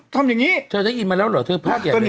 ทำอย่างนี้เธอได้ยินมาแล้วเหรอเธอภาพอย่างนี้